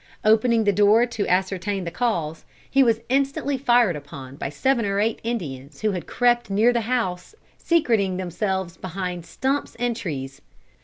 Opening the door to ascertain the cause, he was instantly fired upon by seven or eight Indians who had crept near the house secreting themselves behind stumps and trees.